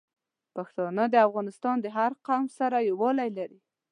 پښتانه د افغانستان د هر قوم سره یوالی لري.